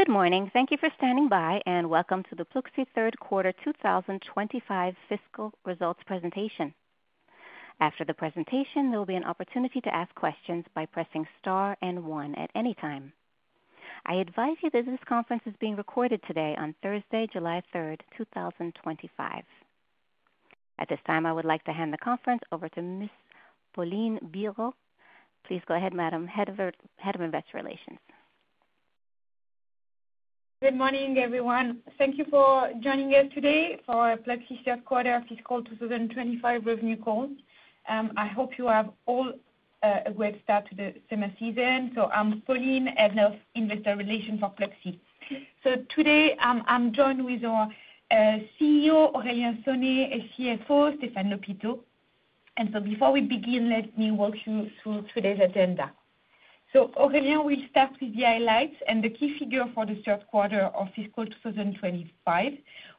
Good morning. Thank you for standing by, and welcome to the Pluxee Third Quarter 2025 Fiscal Results Presentation. After the presentation, there will be an opportunity to ask questions by pressing star and one at any time. I advise you that this conference is being recorded today on Thursday, July 3rd, 2025. At this time, I would like to hand the conference over to Ms. Pauline Bireaud. Please go ahead, Madam Head of Investor Relations. Good morning, everyone. Thank you for joining us today for Pluxee Third Quarter Fiscal 2025 Revenue Call. I hope you have all a great start to the summer season. I'm Pauline, Head of Investor Relations for Pluxee. Today, I'm joined with our CEO, Aurélien Sonet, and CFO, Stéphane Lhopiteau. Before we begin, let me walk you through today's agenda. Aurélien will start with the highlights and the key figures for the third quarter of fiscal 2025,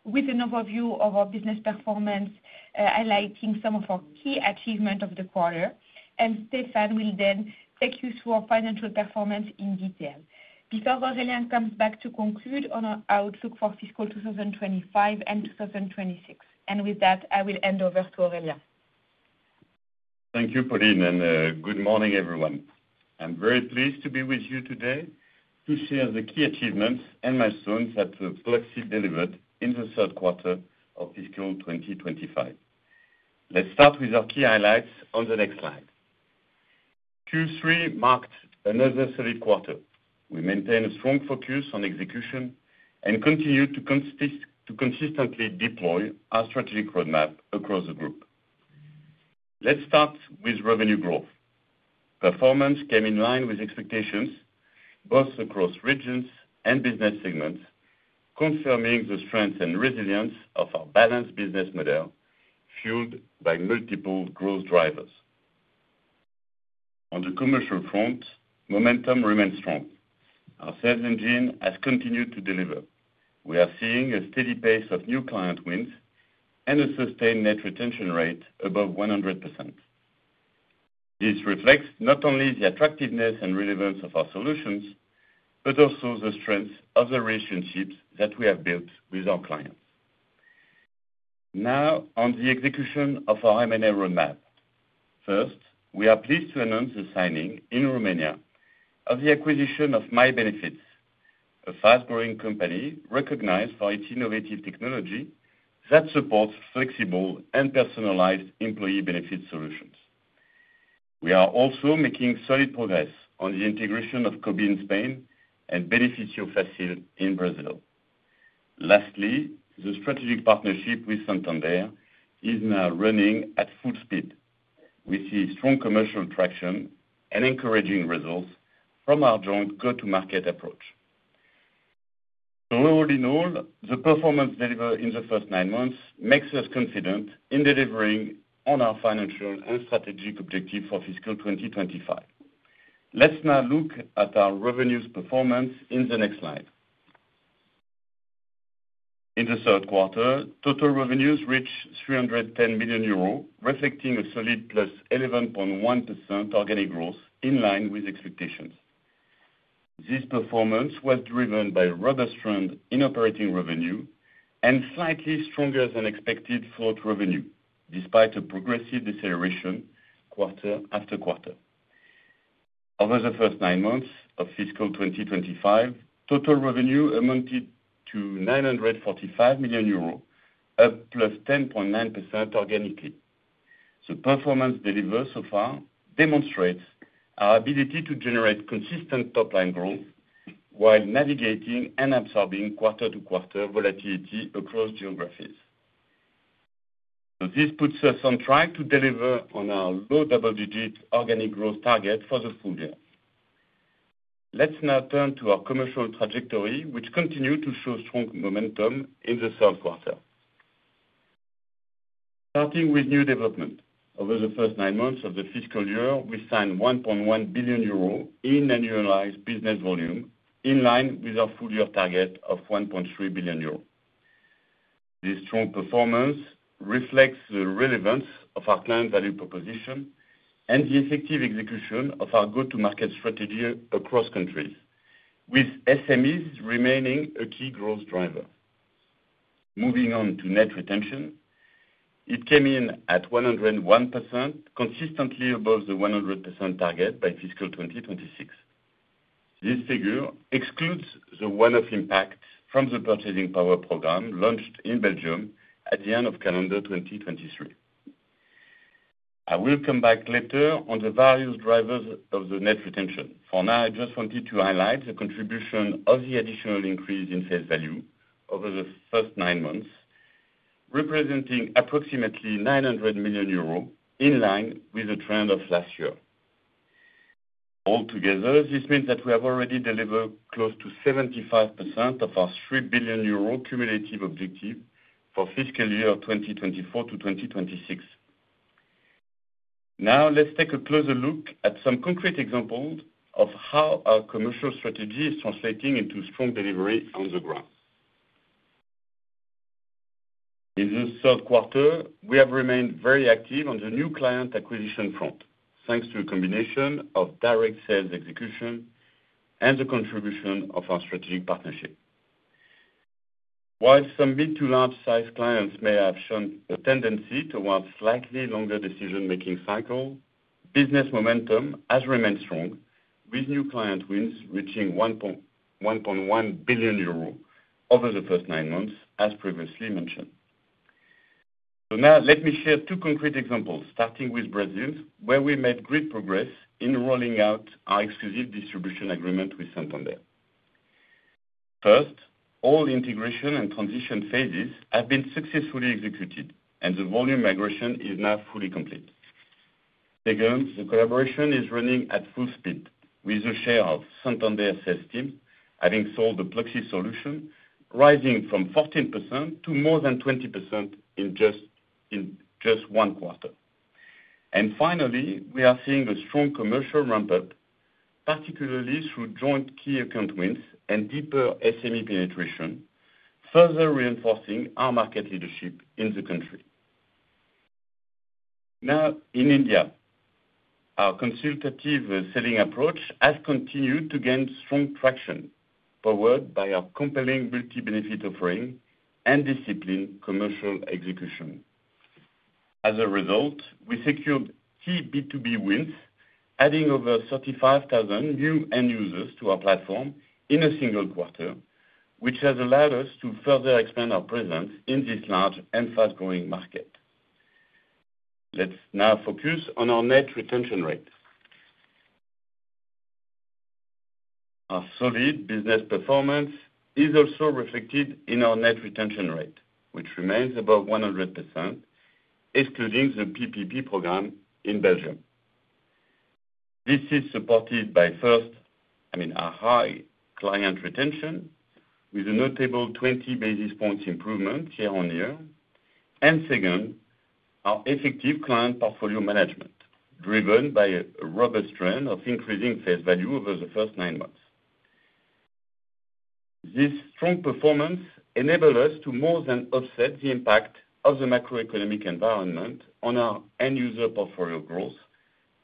with an overview of our business performance, highlighting some of our key achievements of the quarter. Stéphane will then take you through our financial performance in detail. Before Aurélien comes back to conclude on our outlook for fiscal 2025 and 2026. With that, I will hand over to Aurélien. Thank you, Pauline, and good morning, everyone. I'm very pleased to be with you today to share the key achievements and milestones that Pluxee delivered in the third quarter of fiscal 2025. Let's start with our key highlights on the next slide. Q3 marked another solid quarter. We maintained a strong focus on execution and continued to consistently deploy our strategic roadmap across the group. Let's start with revenue growth. Performance came in line with expectations, both across regions and business segments, confirming the strength and resilience of our balanced business model fueled by multiple growth drivers. On the commercial front, momentum remains strong. Our sales engine has continued to deliver. We are seeing a steady pace of new client wins and a sustained net retention rate above 100%. This reflects not only the attractiveness and relevance of our solutions, but also the strength of the relationships that we have built with our clients. Now, on the execution of our M&A roadmap. First, we are pleased to announce the signing in Romania of the acquisition of MyBenefits, a fast-growing company recognized for its innovative technology that supports flexible and personalized employee benefits solutions. We are also making solid progress on the integration of Cobee in Spain and Benefício Fácil in Brazil. Lastly, the strategic partnership with Santander is now running at full speed. We see strong commercial traction and encouraging results from our joint go-to-market approach. All in all, the performance delivered in the first nine months makes us confident in delivering on our financial and strategic objectives for fiscal 2025. Let's now look at our revenues performance in the next slide. In the third quarter, total revenues reached 310 million euros, reflecting a solid +11.1% organic growth in line with expectations. This performance was driven by a rather strong in-operating revenue and slightly stronger-than-expected float revenue, despite a progressive deceleration quarter after quarter. Over the first nine months of fiscal 2025, total revenue amounted to 945 million euros, up +10.9% organically. The performance delivered so far demonstrates our ability to generate consistent top-line growth while navigating and absorbing quarter-to-quarter volatility across geographies. This puts us on track to deliver on our low double-digit organic growth target for the full year. Let's now turn to our commercial trajectory, which continued to show strong momentum in the third quarter. Starting with new development, over the first nine months of the fiscal year, we signed 1.1 billion euro in annualized business volume, in line with our full-year target of 1.3 billion euro. This strong performance reflects the relevance of our client value proposition and the effective execution of our go-to-market strategy across countries, with SMEs remaining a key growth driver. Moving on to net retention, it came in at 101%, consistently above the 100% target by fiscal 2026. This figure excludes the one-off impact from the purchasing power program launched in Belgium at the end of calendar 2023. I will come back later on the various drivers of the net retention. For now, I just wanted to highlight the contribution of the additional increase in sales value over the first nine months, representing approximately 900 million euros, in line with the trend of last year. Altogether, this means that we have already delivered close to 75% of our 3 billion euro cumulative objective for fiscal year 2024-2026. Now, let's take a closer look at some concrete examples of how our commercial strategy is translating into strong delivery on the ground. In the third quarter, we have remained very active on the new client acquisition front, thanks to a combination of direct sales execution and the contribution of our strategic partnership. While some mid-to-large-size clients may have shown a tendency towards slightly longer decision-making cycles, business momentum has remained strong, with new client wins reaching 1.1 billion euro over the first nine months, as previously mentioned. Let me share two concrete examples, starting with Brazil, where we made great progress in rolling out our exclusive distribution agreement with Santander. First, all integration and transition phases have been successfully executed, and the volume migration is now fully complete. Second, the collaboration is running at full speed, with the share of Santander sales teams having sold the Pluxee solution rising from 14% to more than 20% in just one quarter. Finally, we are seeing a strong commercial ramp-up, particularly through joint key account wins and deeper SME penetration, further reinforcing our market leadership in the country. Now, in India, our consultative selling approach has continued to gain strong traction, powered by our compelling multi-benefit offering and disciplined commercial execution. As a result, we secured key B2B wins, adding over 35,000 new end users to our platform in a single quarter, which has allowed us to further expand our presence in this large and fast-growing market. Let's now focus on our net retention rate. Our solid business performance is also reflected in our net retention rate, which remains above 100%, excluding the PPP program in Belgium. This is supported by, first, I mean, our high client retention, with a notable 20 basis points improvement year-on-year, and second, our effective client portfolio management, driven by a robust strength of increasing sales value over the first nine months. This strong performance enabled us to more than offset the impact of the macroeconomic environment on our end user portfolio growth,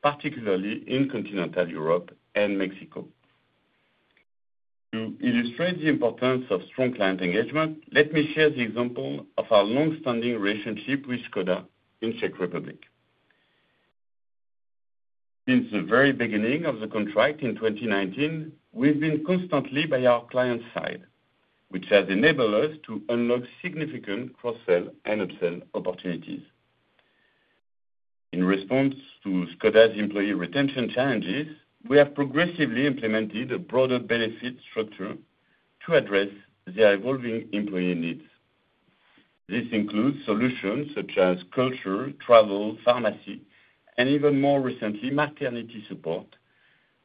particularly in Continental Europe and Mexico. To illustrate the importance of strong client engagement, let me share the example of our long-standing relationship with Škoda in the Czech Republic. Since the very beginning of the contract in 2019, we've been constantly by our client's side, which has enabled us to unlock significant cross-sell and upsell opportunities. In response to Škoda's employee retention challenges, we have progressively implemented a broader benefit structure to address their evolving employee needs. This includes solutions such as culture, travel, pharmacy, and even more recently, maternity support,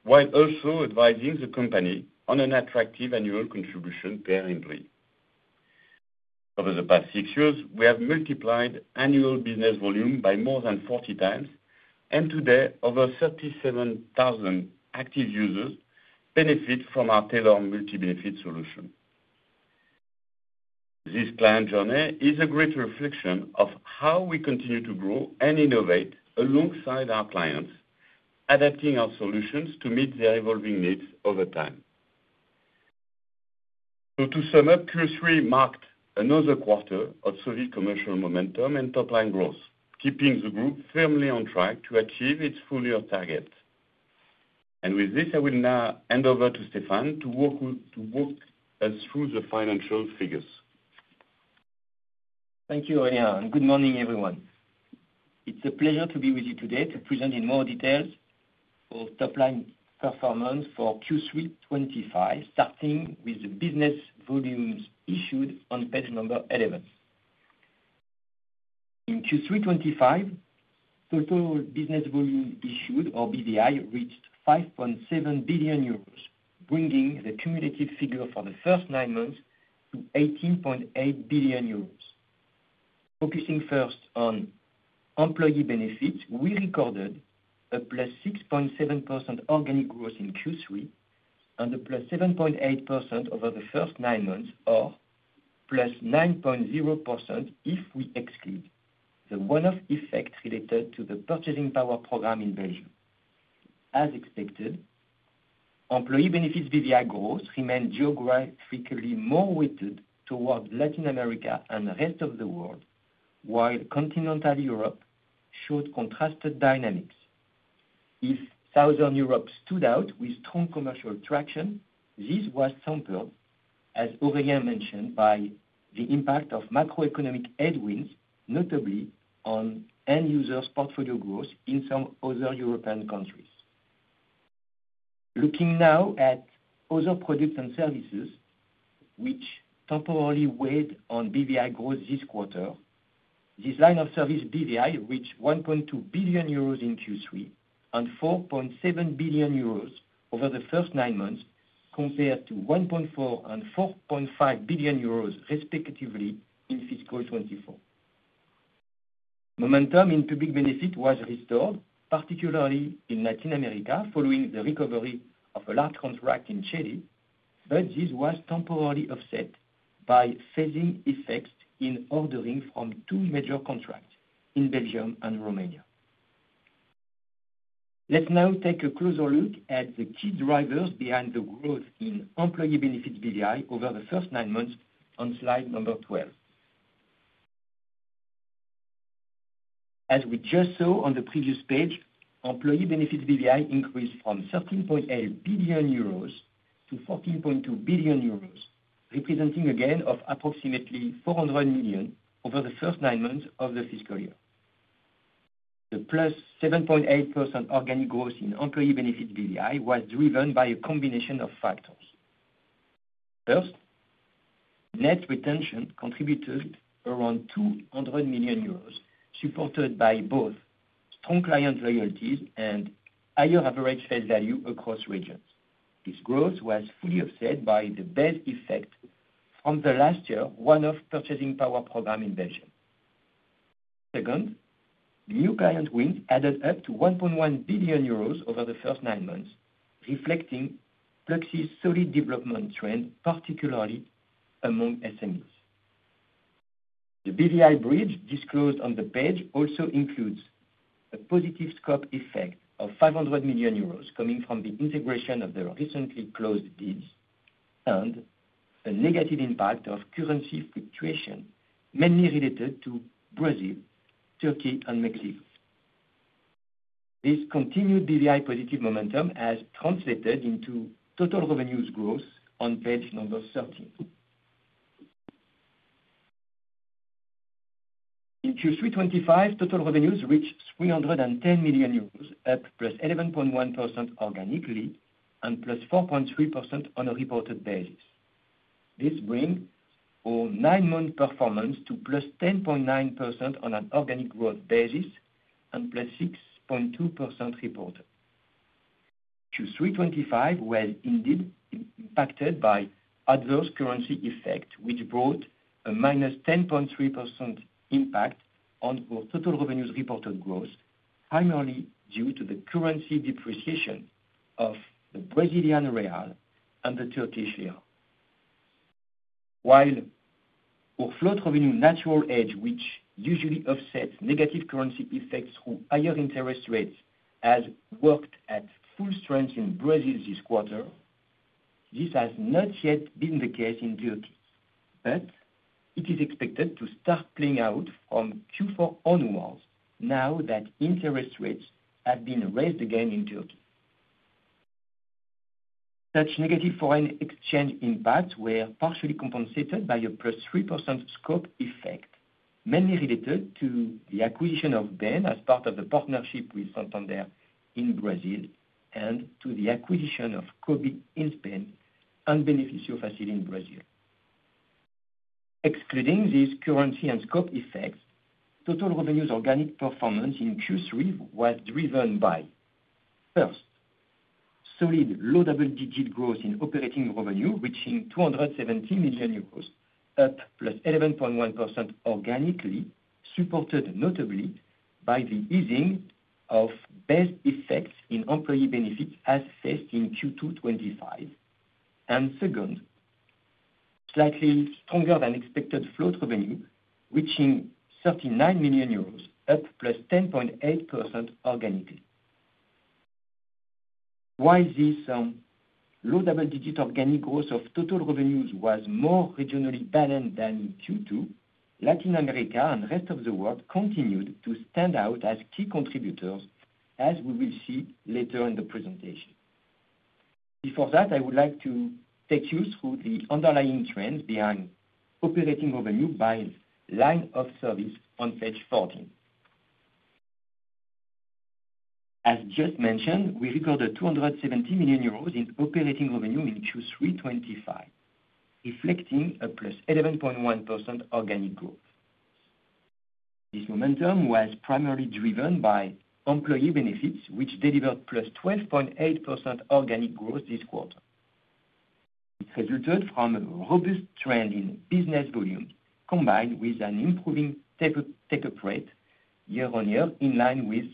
while also advising the company on an attractive annual contribution per employee. Over the past six years, we have multiplied annual business volume by more than 40 times, and today, over 37,000 active users benefit from our tailored multi-benefit solution. This client journey is a great reflection of how we continue to grow and innovate alongside our clients, adapting our solutions to meet their evolving needs over time. To sum up, Q3 marked another quarter of solid commercial momentum and top-line growth, keeping the group firmly on track to achieve its full-year target. With this, I will now hand over to Stéphane to walk us through the financial figures. Thank you, Aurélien. Good morning, everyone. It's a pleasure to be with you today to present in more detail our top-line performance for Q3 2025, starting with the business volumes issued on page number 11. In Q3 2025, total business volume issued, or BVI, reached 5.7 billion euros, bringing the cumulative figure for the first nine months to 18.8 billion euros. Focusing first on employee benefits, we recorded a plus 6.7% organic growth in Q3 and a plus 7.8% over the first nine months, or plus 9.0% if we exclude the one-off effect related to the purchasing power program in Belgium. As expected, employee benefits BVI growth remained geographically more weighted towards Latin America and the rest of the world, while Continental Europe showed contrasted dynamics. If southern Europe stood out with strong commercial traction, this was sampled, as Aurélien mentioned, by the impact of macroeconomic headwinds, notably on end users' portfolio growth in some other European countries. Looking now at other products and services, which temporarily weighed on BVI growth this quarter, this line of service BVI reached 1.2 billion euros in Q3 and 4.7 billion euros over the first nine months, compared to 1.4 billion and 4.5 billion euros, respectively, in fiscal 2024. Momentum in public benefit was restored, particularly in Latin America, following the recovery of a large contract in Chile, but this was temporarily offset by phasing effects in ordering from two major contracts in Belgium and Romania. Let's now take a closer look at the key drivers behind the growth in employee benefits BVI over the first nine months on slide number 12. As we just saw on the previous page, employee benefits BVI increased from 13.8 billion euros to 14.2 billion euros, representing again approximately 400 million over the first nine months of the fiscal year. The +7.8% organic growth in employee benefits BVI was driven by a combination of factors. First, net retention contributed around 200 million euros, supported by both strong client loyalties and higher average sales value across regions. This growth was fully offset by the base effect from last year's one-off purchasing power program in Belgium. Second, new client wins added up to 1.1 billion euros over the first nine months, reflecting Pluxee's solid development trend, particularly among SMEs. The BVI bridge disclosed on the page also includes a positive scope effect of 500 million euros coming from the integration of the recently closed deals and a negative impact of currency fluctuation, mainly related to Brazil, Türkiye, and Mexico. This continued BVI positive momentum has translated into total revenues growth on page number 13. In Q3 2025, total revenues reached 310 million euros, up +11.1% organically and +4.3% on a reported basis. This brings our nine-month performance to +10.9% on an organic growth basis and +6.2% reported. Q3 2025 was indeed impacted by adverse currency effect, which brought a -10.3% impact on our total revenues reported growth, primarily due to the currency depreciation of the Brazilian real and the Turkish lira. While our float revenue natural edge, which usually offsets negative currency effects through higher interest rates, has worked at full strength in Brazil this quarter, this has not yet been the case in Türkiye, but it is expected to start playing out from Q4 onwards now that interest rates have been raised again in Türkiye. Such negative foreign exchange impacts were partially compensated by a +3% scope effect, mainly related to the acquisition of Benefício Fácil as part of the partnership with Santander in Brazil and to the acquisition of Cobee in Spain and Benefício Fácil in Brazil. Excluding these currency and scope effects, total revenues organic performance in Q3 was driven by, first, solid low double-digit growth in operating revenue reaching 270 million euros, up +11.1% organically, supported notably by the easing of base effects in Employee Benefits as faced in Q2 2025, and second, slightly stronger than expected float revenue reaching 39 million euros, up +10.8% organically. While this low double-digit organic growth of total revenues was more regionally balanced than in Q2, Latin America and the rest of the world continued to stand out as key contributors, as we will see later in the presentation. Before that, I would like to take you through the underlying trends behind operating revenue by line of service on page 14. As just mentioned, we recorded 270 million euros in operating revenue in Q3 2025, reflecting a +11.1% organic growth. This momentum was primarily driven by employee benefits, which delivered +12.8% organic growth this quarter. It resulted from a robust trend in business volume, combined with an improving take-up rate year on year, in line with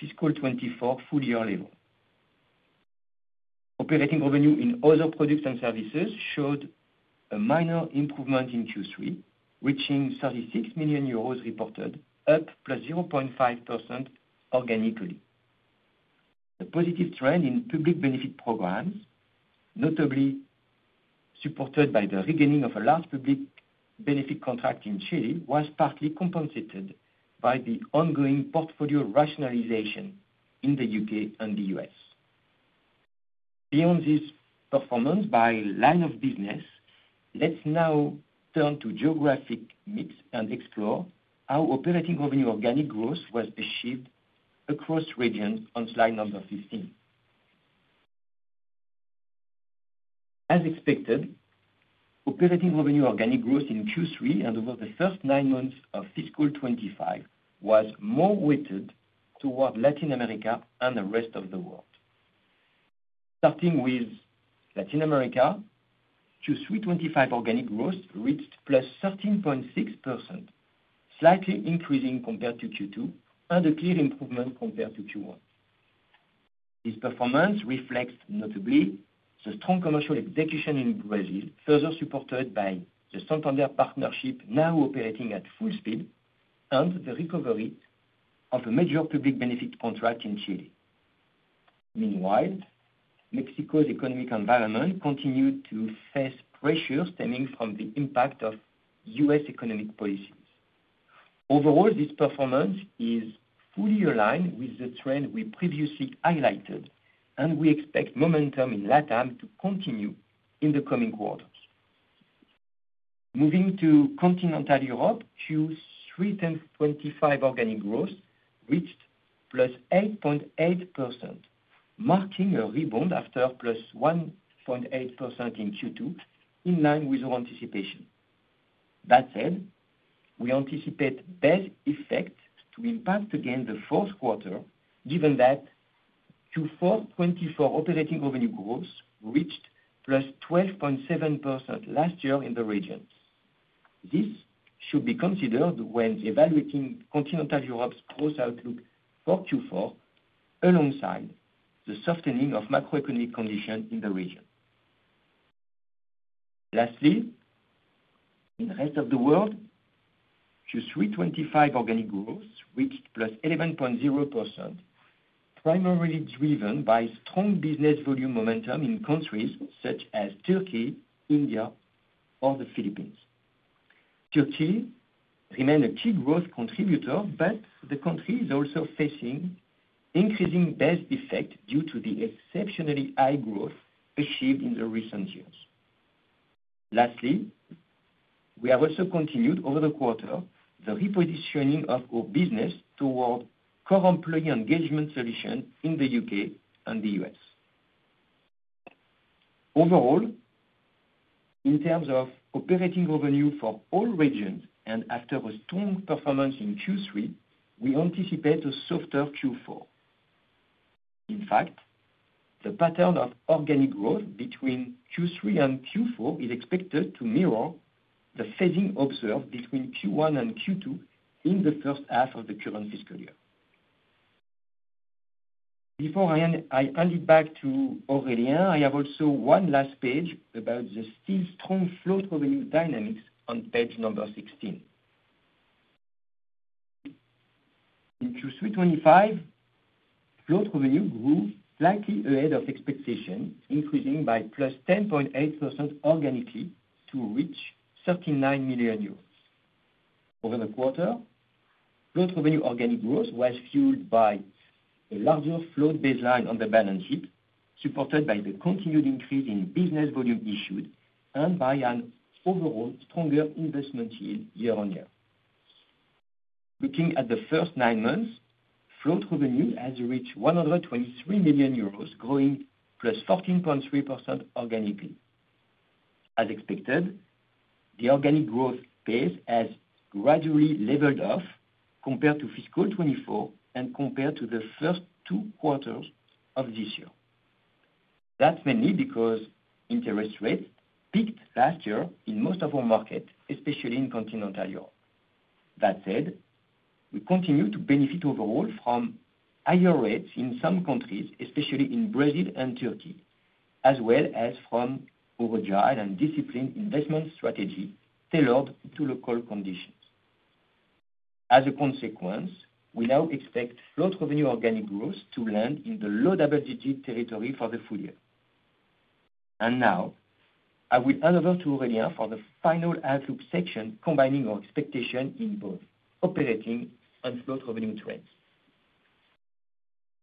fiscal 2024 full-year level. Operating revenue in other products and services showed a minor improvement in Q3, reaching 36 million euros reported, up +0.5% organically. The positive trend in public benefit programs, notably supported by the regaining of a large public benefit contract in Chile, was partly compensated by the ongoing portfolio rationalization in the U.K. and the U.S.. Beyond this performance by line of business, let's now turn to geographic mix and explore how operating revenue organic growth was achieved across regions on slide number 15. As expected, operating revenue organic growth in Q3 and over the first nine months of fiscal 2025 was more weighted toward Latin America and the rest of the world. Starting with Latin America, Q3 2025 organic growth reached +13.6%, slightly increasing compared to Q2 and a clear improvement compared to Q1. This performance reflects notably the strong commercial execution in Brazil, further supported by the Santander partnership now operating at full speed and the recovery of a major public benefit contract in Chile. Meanwhile, Mexico's economic environment continued to face pressure stemming from the impact of U.S. economic policies. Overall, this performance is fully aligned with the trend we previously highlighted, and we expect momentum in LATAM to continue in the coming quarters. Moving to continental Europe, Q3 2025 organic growth reached +8.8%, marking a rebound after +1.8% in Q2, in line with our anticipation. That said, we anticipate base effects to impact again the fourth quarter, given that Q4 2024 operating revenue growth reached +12.7% last year in the region. This should be considered when evaluating continental Europe's growth outlook for Q4, alongside the softening of macroeconomic conditions in the region. Lastly, in the rest of the world, Q3 2025 organic growth reached +11.0%, primarily driven by strong business volume momentum in countries such as Türkiye, India, or the Philippines. Türkiye remained a key growth contributor, but the country is also facing increasing base effects due to the exceptionally high growth achieved in the recent years. Lastly, we have also continued over the quarter the repositioning of our business toward core employee engagement solutions in the U.K. and the U.S. Overall, in terms of operating revenue for all regions and after a strong performance in Q3, we anticipate a softer Q4. In fact, the pattern of organic growth between Q3 and Q4 is expected to mirror the phasing observed between Q1 and Q2 in the first half of the current fiscal year. Before I hand it back to Aurélien, I have also one last page about the still strong float revenue dynamics on page number 16. In Q3 2025, float revenue grew slightly ahead of expectation, increasing by +10.8% organically to reach 39 million euros. Over the quarter, float revenue organic growth was fueled by a larger float baseline on the balance sheet, supported by the continued increase in business volume issued and by an overall stronger investment yield year on year. Looking at the first nine months, float revenue has reached 123 million euros, growing plus 14.3% organically. As expected, the organic growth pace has gradually leveled off compared to fiscal 2024 and compared to the first two quarters of this year. That is mainly because interest rates peaked last year in most of our markets, especially in Continental Europe. That said, we continue to benefit overall from higher rates in some countries, especially in Brazil and Türkiye, as well as from a fragile and disciplined investment strategy tailored to local conditions. As a consequence, we now expect float revenue organic growth to land in the low double-digit territory for the full year. Now, I will hand over to Aurélien for the final outlook section, combining our expectation in both operating and float revenue trends.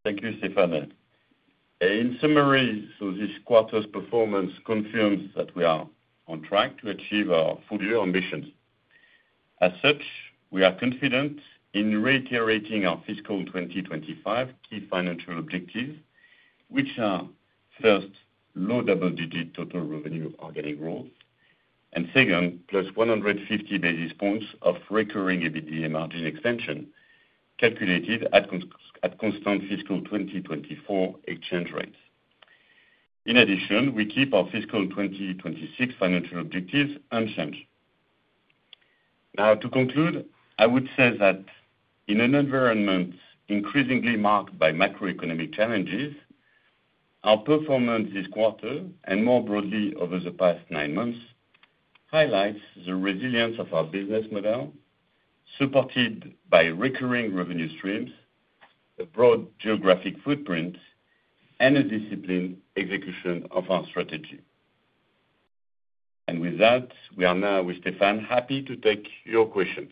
Thank you, Stéphane. In summary, this quarter's performance confirms that we are on track to achieve our full-year ambitions. As such, we are confident in reiterating our fiscal 2025 key financial objectives, which are, first, low double-digit total revenue organic growth, and second, plus 150 basis points of recurring EBITDA margin extension calculated at constant fiscal 2024 exchange rates. In addition, we keep our fiscal 2026 financial objectives unchanged. To conclude, I would say that in an environment increasingly marked by macroeconomic challenges, our performance this quarter and more broadly over the past nine months highlights the resilience of our business model, supported by recurring revenue streams, a broad geographic footprint, and a disciplined execution of our strategy. With that, we are now with Stéphane, happy to take your questions.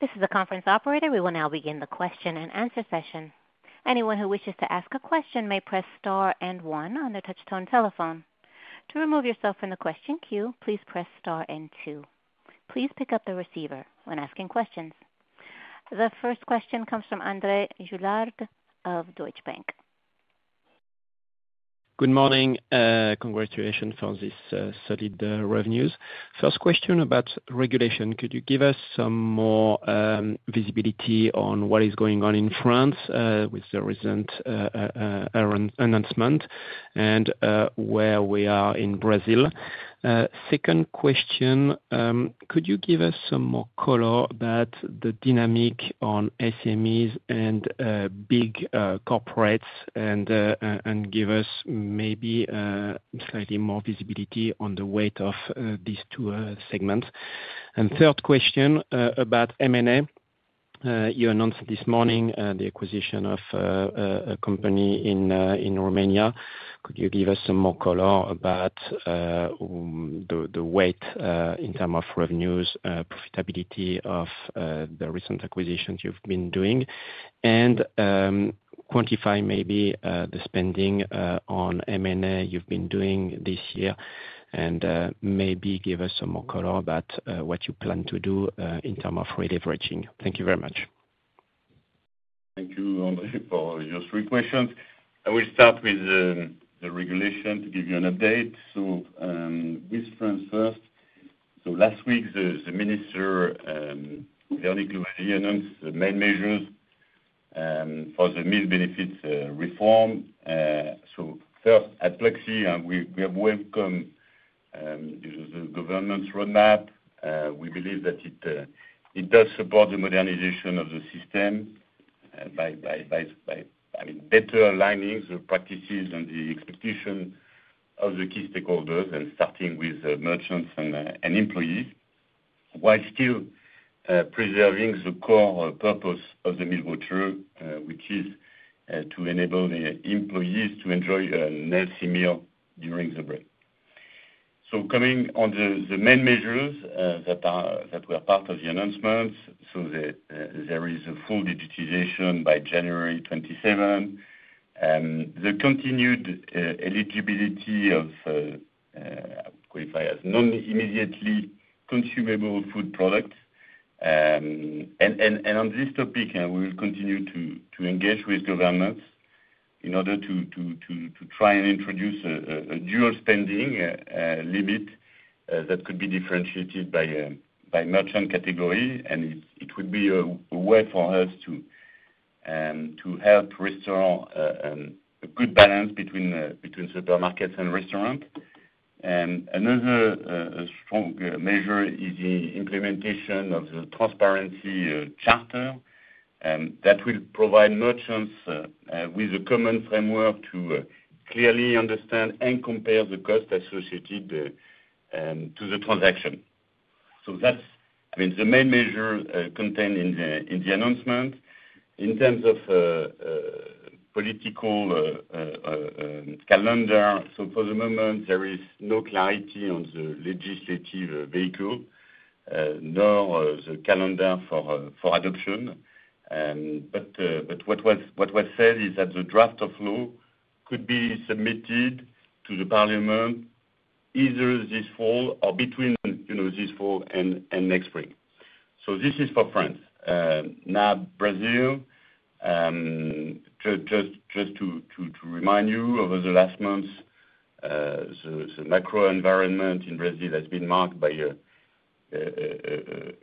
This is the conference operator. We will now begin the question and answer session. Anyone who wishes to ask a question may press star and one on the touch-tone telephone. To remove yourself from the question queue, please press star and two. Please pick up the receiver when asking questions. The first question comes from André Gillard of Deutsche Bank. Good morning. Congratulations on these solid revenues. First question about regulation. Could you give us some more visibility on what is going on in France with the recent announcement and where we are in Brazil? Second question, could you give us some more color about the dynamic on SMEs and big corporates and give us maybe slightly more visibility on the weight of these two segments? Third question about M&A. You announced this morning the acquisition of a company in Romania. Could you give us some more color about the weight in terms of revenues, profitability of the recent acquisitions you've been doing, and quantify maybe the spending on M&A you've been doing this year and maybe give us some more color about what you plan to do in terms of re-leveraging? Thank you very much. Thank you, André, for your three questions. I will start with the regulation to give you an update. With France first. Last week, the Minister Véronique Louwagie announced the main measures for the meal benefits reform. First, at Pluxee, we have welcomed the government's roadmap. We believe that it does support the modernization of the system by better aligning the practices and the expectations of the key stakeholders, starting with merchants and employees, while still preserving the core purpose of the meal voucher, which is to enable the employees to enjoy a healthy meal during the break. Coming on the main measures that were part of the announcements, there is a full digitization by January 2027, the continued eligibility of what we qualify as non-immediately consumable food products. On this topic, we will continue to engage with governments in order to try and introduce a dual spending limit that could be differentiated by merchant category. It would be a way for us to help restore a good balance between supermarkets and restaurants. Another strong measure is the implementation of the transparency charter that will provide merchants with a common framework to clearly understand and compare the cost associated to the transaction. That is the main measure contained in the announcement. In terms of political calendar, for the moment, there is no clarity on the legislative vehicle nor the calendar for adoption. What was said is that the draft of law could be submitted to the Parliament either this fall or between this fall and next spring. This is for France. Now, Brazil, just to remind you, over the last months, the macro environment in Brazil has been marked by a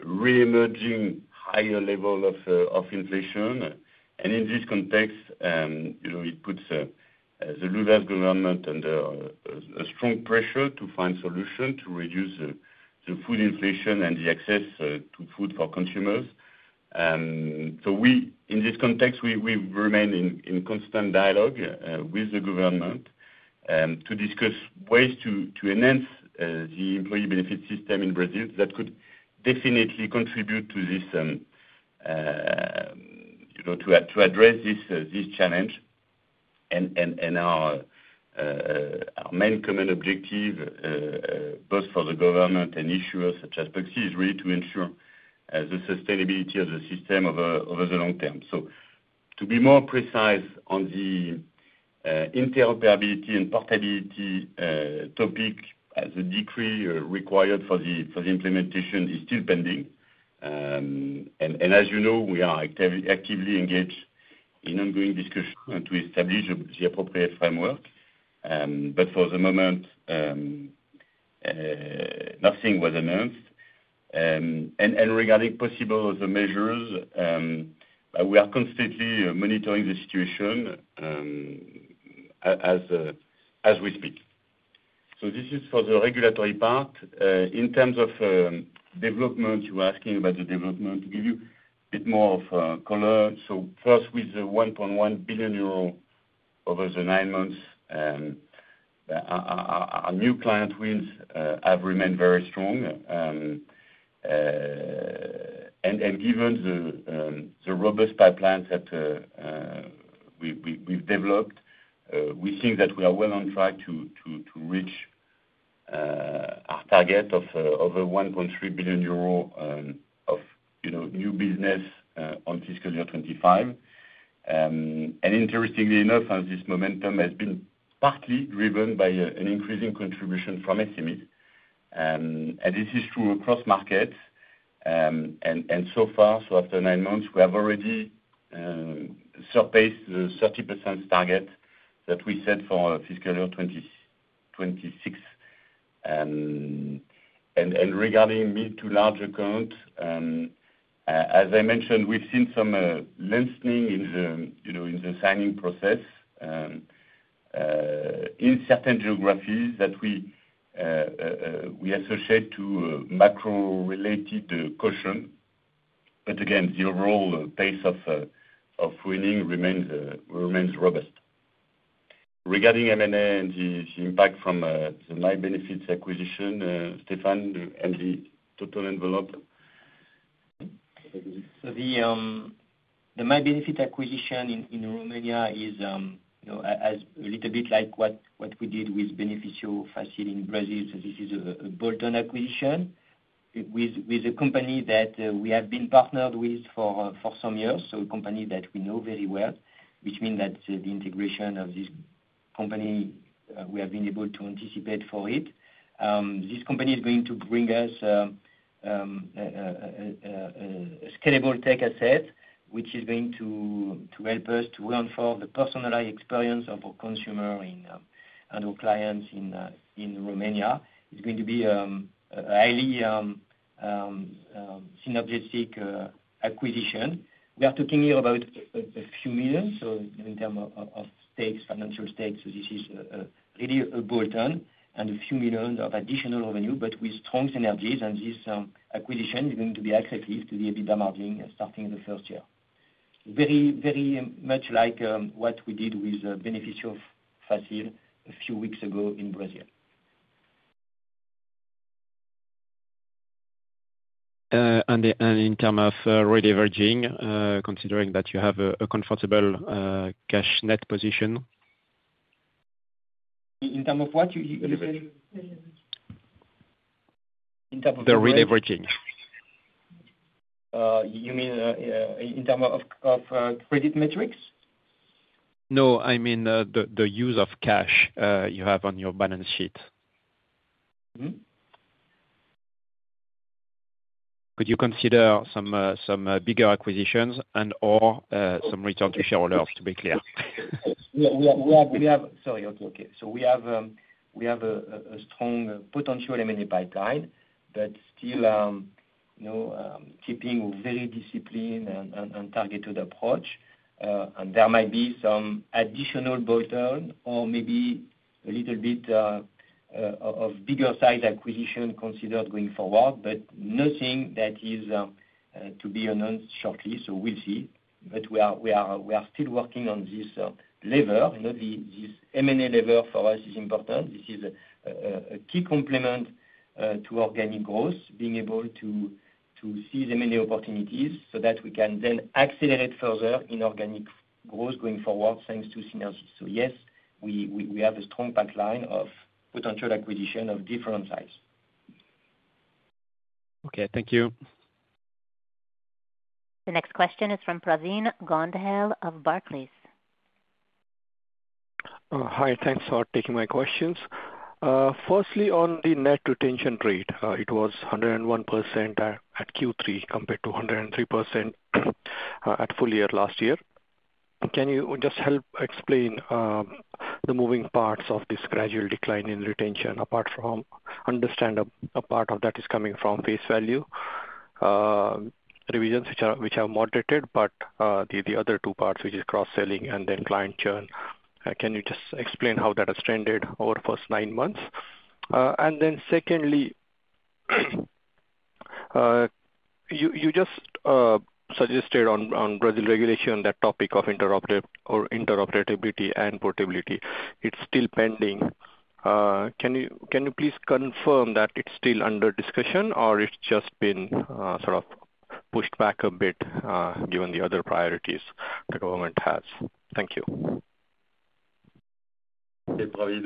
re-emerging higher level of inflation. In this context, it puts the Lula government under strong pressure to find solutions to reduce the food inflation and the access to food for consumers. In this context, we remain in constant dialogue with the government to discuss ways to enhance the employee benefit system in Brazil that could definitely contribute to address this challenge. Our main common objective, both for the government and issuers such as Pluxee, is really to ensure the sustainability of the system over the long term. To be more precise on the interoperability and portability topic, the decree required for the implementation is still pending. As you know, we are actively engaged in ongoing discussions to establish the appropriate framework. For the moment, nothing was announced. Regarding possible other measures, we are constantly monitoring the situation as we speak. This is for the regulatory part. In terms of development, you were asking about the development to give you a bit more of color. First, with the 1.1 billion euro over the nine months, our new client wins have remained very strong. Given the robust pipelines that we've developed, we think that we are well on track to reach our target of over 1.3 billion euro of new business on fiscal year 2025. Interestingly enough, this momentum has been partly driven by an increasing contribution from SMEs. This is true across markets. After nine months, we have already surpassed the 30% target that we set for fiscal year 2026. Regarding mid to large accounts, as I mentioned, we've seen some loosening in the signing process in certain geographies that we associate to macro-related caution. Again, the overall pace of winning remains robust. Regarding M&A and the impact from the MyBenefits acquisition, Stéphane, and the total envelope. The MyBenefits acquisition in Romania is a little bit like what we did with Benefício Fácil in Brazil. This is a bolt-on acquisition with a company that we have been partnered with for some years, so a company that we know very well, which means that the integration of this company, we have been able to anticipate for it. This company is going to bring us a scalable tech asset, which is going to help us to reinforce the personalized experience of our consumer and our clients in Romania. It is going to be a highly synergistic acquisition. We are talking here about a few million, in terms of financial stakes. This is really a bolt-on and a few million of additional revenue, but with strong synergies. This acquisition is going to be accretive to the EBITDA margin starting the first year. Very, very much like what we did with Benefício Fácil a few weeks ago in Brazil. In terms of re-leveraging, considering that you have a comfortable cash net position? In terms of what you said? In terms of re-leveraging. You mean in terms of credit metrics? No, I mean the use of cash you have on your balance sheet. Could you consider some bigger acquisitions and/or some return to shareholders, to be clear? We have—sorry, okay, okay. We have a strong potential M&A pipeline, but still keeping a very disciplined and targeted approach. There might be some additional bolt-on or maybe a little bit of bigger size acquisition considered going forward, but nothing that is to be announced shortly, we will see. We are still working on this lever. This M&A lever for us is important. This is a key complement to organic growth, being able to seize M&A opportunities so that we can then accelerate further in organic growth going forward thanks to synergies. Yes, we have a strong pipeline of potential acquisition of different sizes. Okay, thank you. The next question is from Pravin Gondhale of Barclays. Hi, thanks for taking my questions. Firstly, on the net retention rate, it was 101% at Q3 compared to 103% at full year last year. Can you just help explain the moving parts of this gradual decline in retention, apart from understanding a part of that is coming from face value revisions, which are moderated, but the other two parts, which is cross-selling and then client churn? Can you just explain how that has trended over the first nine months? And then secondly, you just suggested on Brazil regulation that topic of interoperability and portability, it is still pending. Can you please confirm that it is still under discussion, or it is just been sort of pushed back a bit given the other priorities the government has? Thank you. Okay, probably.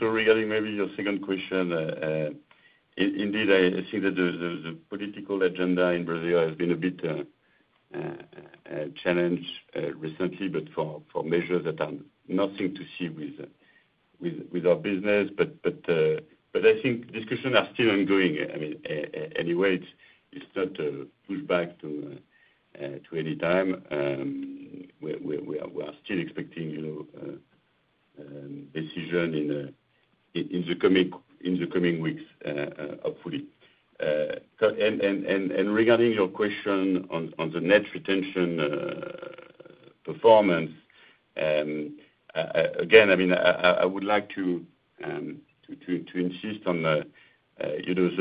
Regarding maybe your second question, indeed, I think that the political agenda in Brazil has been a bit challenged recently, but for measures that have nothing to see with our business. I think discussions are still ongoing. I mean, anyway, it is not pushed back to any time. We are still expecting decision in the coming weeks, hopefully. Regarding your question on the net retention performance, again, I mean, I would like to insist on the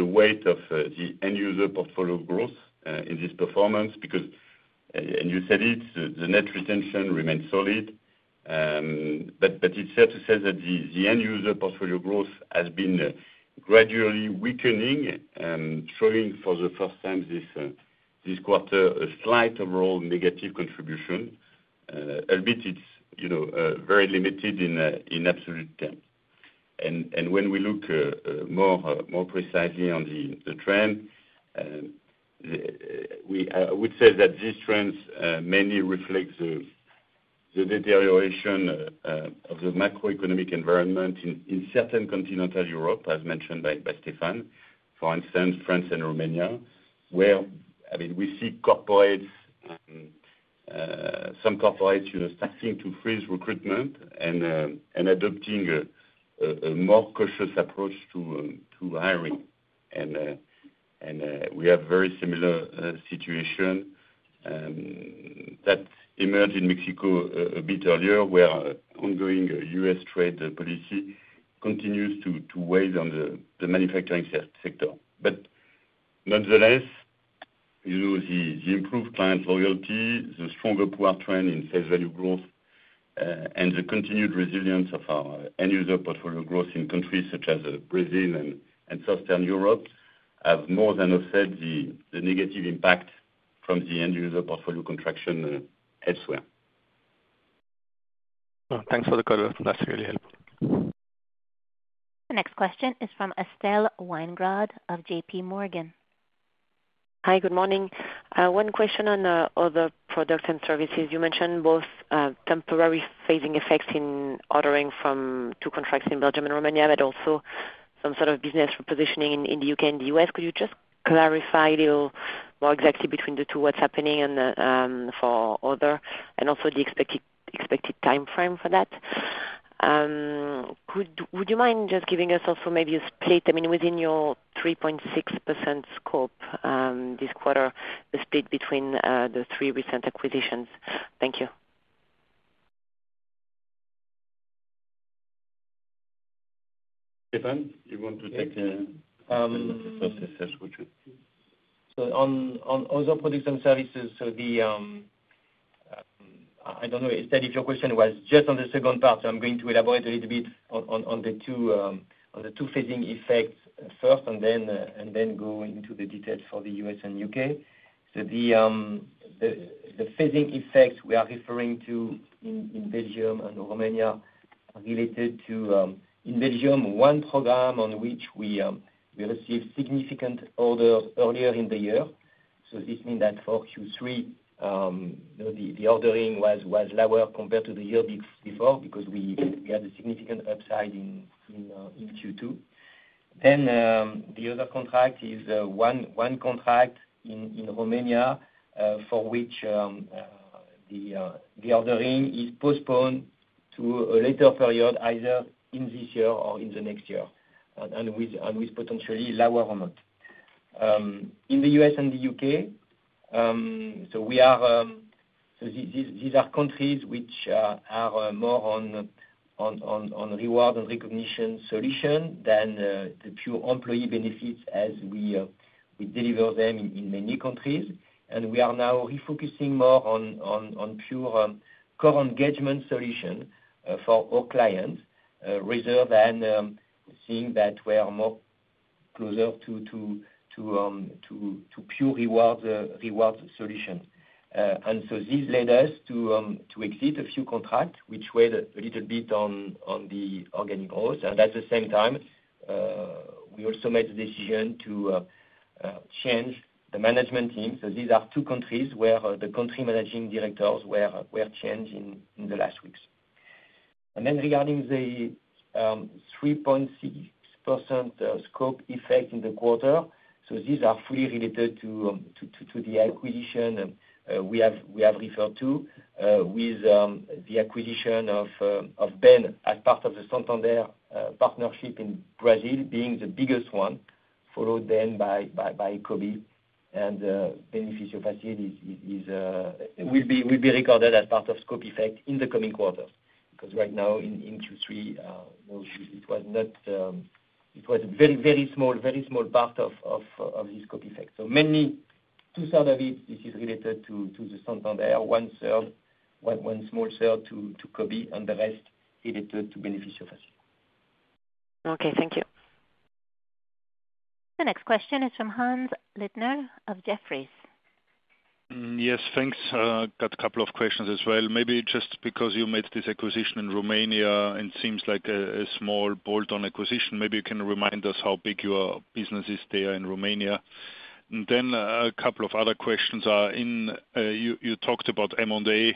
weight of the end-user portfolio growth in this performance because, and you said it, the net retention remains solid. It is fair to say that the end-user portfolio growth has been gradually weakening, showing for the first time this quarter a slight overall negative contribution. A bit, it is very limited in absolute terms. When we look more precisely on the trend, I would say that these trends mainly reflect the deterioration of the macroeconomic environment in certain continental Europe, as mentioned by Stéphane, for instance, France and Romania, where, I mean, we see some corporates starting to freeze recruitment and adopting a more cautious approach to hiring. We have a very similar situation that emerged in Mexico a bit earlier, where ongoing U.S. trade policy continues to weigh on the manufacturing sector. Nonetheless, the improved client loyalty, the stronger PUA trend in face value growth, and the continued resilience of our end-user portfolio growth in countries such as Brazil and Southern Europe have more than offset the negative impact from the end-user portfolio contraction elsewhere. Thanks for the cutoff. That's really helpful. The next question is from Estelle Weingrod of J.P. Morgan. Hi, good morning. One question on other products and services. You mentioned both temporary phasing effects in ordering from two contracts in Belgium and Romania, but also some sort of business repositioning in the U.K. and the U.S. Could you just clarify a little more exactly between the two what's happening for other and also the expected timeframe for that? Would you mind just giving us also maybe a split, I mean, within your 3.6% scope this quarter, the split between the three recent acquisitions? Thank you. Stéphane, you want to take the first session, which is? On other products and services, I don't know. Instead, if your question was just on the second part, I'm going to elaborate a little bit on the two phasing effects first and then go into the details for the U.S. and U.K. The phasing effects we are referring to in Belgium and Romania related to, in Belgium, one program on which we received significant orders earlier in the year. This means that for Q3, the ordering was lower compared to the year before because we had a significant upside in Q2. The other contract is one contract in Romania for which the ordering is postponed to a later period, either in this year or in the next year, and with potentially lower amount. In the U.S. and the U.K., these are countries which are more on reward and recognition solution than the pure employee benefits as we deliver them in many countries. We are now refocusing more on pure core engagement solution for our clients, rather than seeing that we are more closer to pure reward solution. This led us to exit a few contracts which weighed a little bit on the organic growth. At the same time, we also made the decision to change the management team. These are two countries where the Country Managing Directors were changed in the last weeks. Regarding the 3.6% scope effect in the quarter, these are fully related to the acquisition we have referred to with the acquisition of Ben as part of the Santander partnership in Brazil, being the biggest one, followed then by Cobee. Benefício Fácil will be recorded as part of scope effect in the coming quarter because right now in Q3, it was a very, very small part of this scope effect. Mainly two-thirds of it, this is related to the Santander, one-third, one small third to Cobee, and the rest related to Benefício Fácil. Okay, thank you. The next question is from Hannes Leitner of Jefferies. Yes, thanks. Got a couple of questions as well. Maybe just because you made this acquisition in Romania, it seems like a small bolt-on acquisition. Maybe you can remind us how big your business is there in Romania. And then a couple of other questions are in you talked about M&A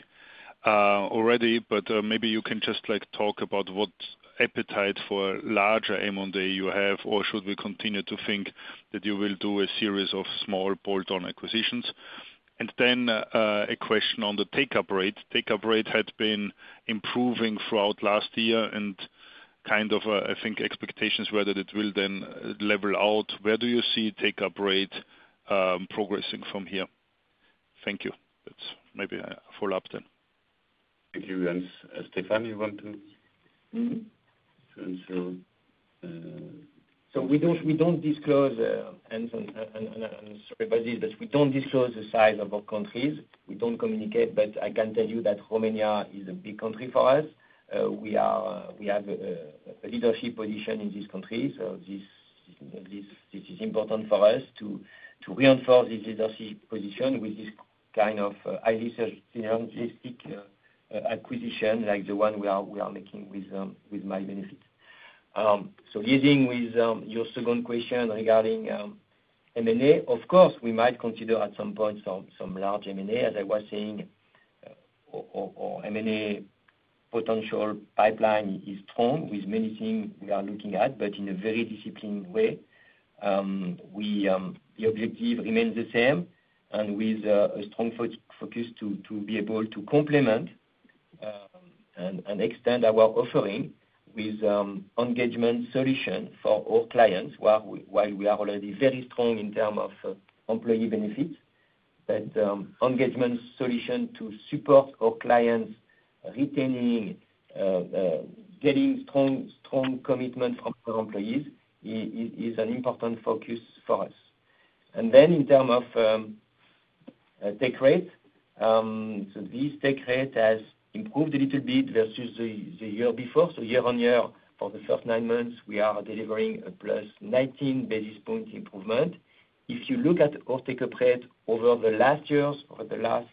already, but maybe you can just talk about what appetite for larger M&A you have, or should we continue to think that you will do a series of small bolt-on acquisitions? A question on the take-up rate. Take-up rate had been improving throughout last year, and kind of I think expectations were that it will then level out. Where do you see take-up rate progressing from here? Thank you. That's maybe a follow-up then. Thank you. Stéphane, you want to answer? We do not disclose, and sorry about this, but we do not disclose the size of our countries. We do not communicate, but I can tell you that Romania is a big country for us. We have a leadership position in this country, so this is important for us to reinforce this leadership position with this kind of highly synergistic acquisition like the one we are making with MyBenefits. Leading with your second question regarding M&A, of course, we might consider at some point some large M&A, as I was saying, or M&A potential pipeline is strong with many things we are looking at, but in a very disciplined way. The objective remains the same, and with a strong focus to be able to complement and extend our offering with engagement solution for our clients, while we are already very strong in terms of employee benefits. Engagement solution to support our clients retaining, getting strong commitment from our employees is an important focus for us. In terms of take rate, this take rate has improved a little bit versus the year before. Year on year, for the first nine months, we are delivering a plus 19 basis point improvement. If you look at our take-up rate over the last years, over the last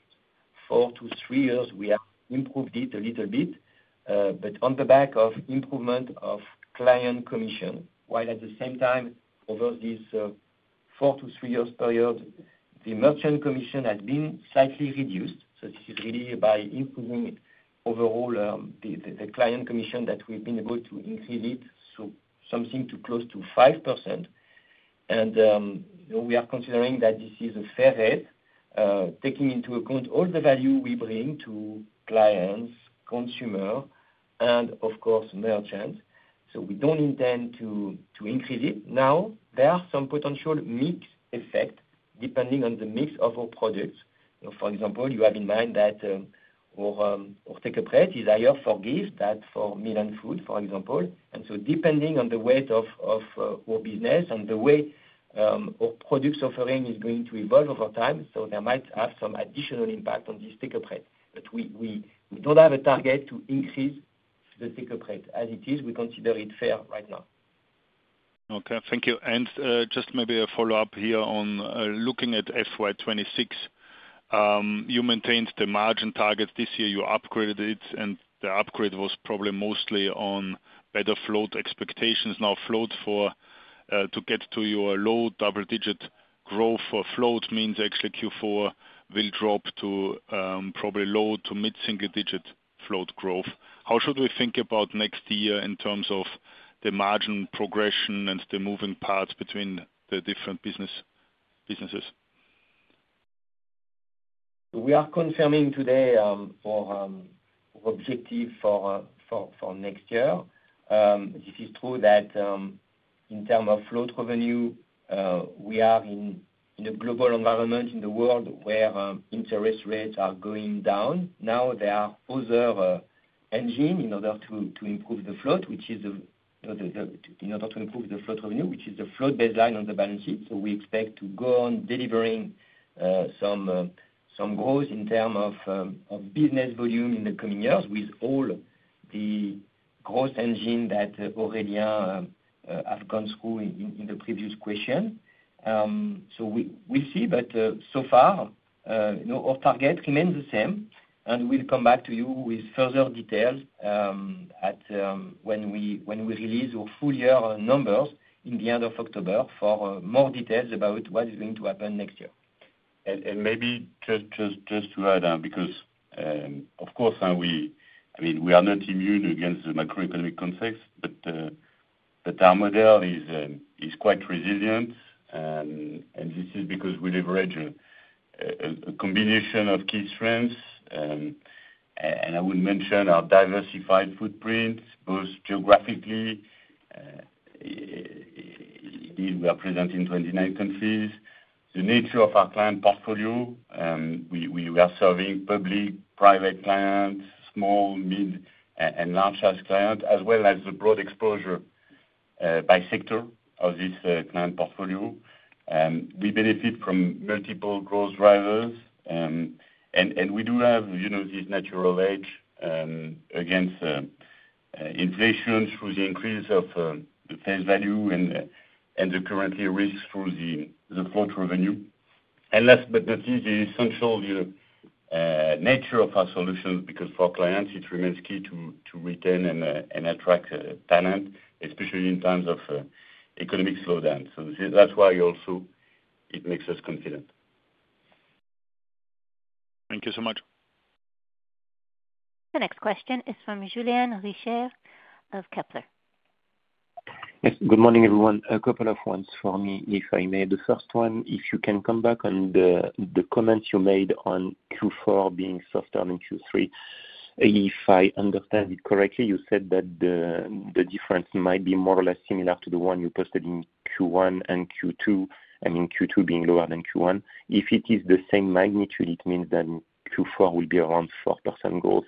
four to three years, we have improved it a little bit, but on the back of improvement of client commission, while at the same time, over this four to three years period, the merchant commission has been slightly reduced. This is really by improving overall the client commission that we've been able to increase it to something close to 5%. We are considering that this is a fair rate taking into account all the value we bring to clients, consumers, and of course, merchants. We do not intend to increase it. There are some potential mixed effects depending on the mix of our products. For example, you have in mind that our take-up rate is higher for gifts than for meal and food, for example. Depending on the weight of our business and the way our product offering is going to evolve over time, there might have some additional impact on this take-up rate. We do not have a target to increase the take-up rate as it is. We consider it fair right now. Okay, thank you. Just maybe a follow-up here on looking at FY2026, you maintained the margin targets this year. You upgraded it, and the upgrade was probably mostly on better float expectations. Now, float to get to your low double-digit growth for float means actually Q4 will drop to probably low to mid-single-digit float growth. How should we think about next year in terms of the margin progression and the moving parts between the different businesses? We are confirming today our objective for next year. This is true that in terms of float revenue, we are in a global environment in the world where interest rates are going down. Now, there are other engines in order to improve the float, which is in order to improve the float revenue, which is the float baseline on the balance sheet. We expect to go on delivering some growth in terms of business volume in the coming years with all the growth engines that Aurélien has gone through in the previous question. We will see, but so far, our target remains the same. We will come back to you with further details when we release our full year numbers in the end of October for more details about what is going to happen next year. Maybe just to add on, because of course, I mean, we are not immune against the macroeconomic context, but our model is quite resilient. This is because we leverage a combination of key strengths. I would mention our diversified footprint, both geographically. We are present in 29 countries. The nature of our client portfolio, we are serving public, private clients, small, mid, and large-sized clients, as well as the broad exposure by sector of this client portfolio. We benefit from multiple growth drivers. We do have this natural edge against inflation through the increase of the face value and the currency risk through the float revenue. Last but not least, the essential nature of our solutions, because for clients, it remains key to retain and attract talent, especially in times of economic slowdown. That is why also it makes us confident. Thank you so much. The next question is from Julien Richer of Kepler. Good morning, everyone. A couple of ones for me, if I may. The first one, if you can come back on the comments you made on Q4 being softer than Q3. If I understand it correctly, you said that the difference might be more or less similar to the one you posted in Q1 and Q2, I mean, Q2 being lower than Q1. If it is the same magnitude, it means that Q4 will be around 4% growth.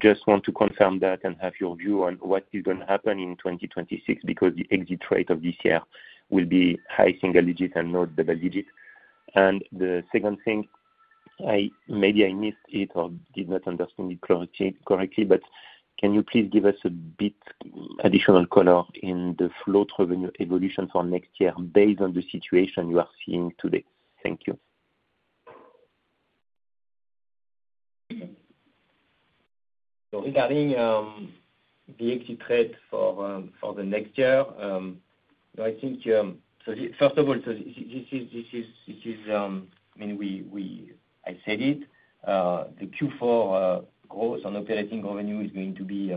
Just want to confirm that and have your view on what is going to happen in 2026 because the exit rate of this year will be high single digit and not double digit. The second thing, maybe I missed it or did not understand it correctly, but can you please give us a bit additional color in the float revenue evolution for next year based on the situation you are seeing today? Thank you. Regarding the exit rate for the next year, I think first of all, this is, I mean, I said it, the Q4 growth on operating revenue is going to be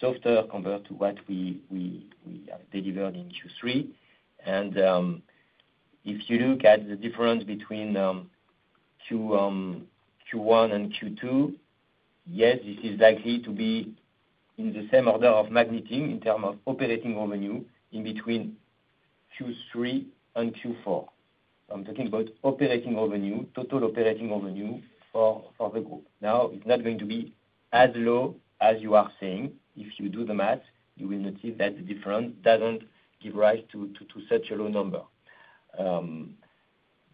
softer compared to what we have delivered in Q3. If you look at the difference between Q1 and Q2, yes, this is likely to be in the same order of magnitude in terms of operating revenue in between Q3 and Q4. I'm talking about operating revenue, total operating revenue for the group. Now, it's not going to be as low as you are saying. If you do the math, you will notice that the difference does not give rise to such a low number. On